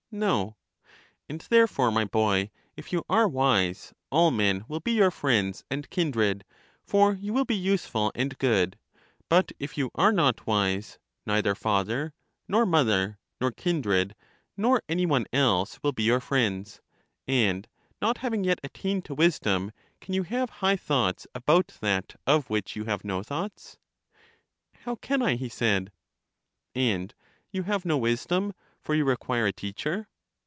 No. And therefore, my boy, if you are wise, all men will be your friends and kindred, for you will be useful and good ; but if you are not wise, neither father, nor mother, nor kindred, nor any one else, will be your friends. And not having yet attained to wisdom, can you have high thoughts about that of which you have no thoughts? How can I ? he said. And you have no wisdom, for you require a teacher?